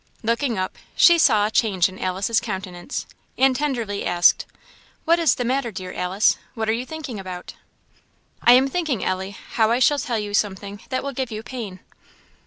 Looking up, she saw a change in Alice's countenance, and tenderly asked "What is the matter, dear Alice? what are you thinking about?" "I am thinking, Ellie, how I shall tell you something that will give you pain."